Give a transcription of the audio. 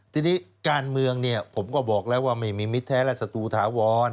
ทีนี้การเมืองเนี่ยผมก็บอกแล้วว่าไม่มีมิตรแท้และศัตรูถาวร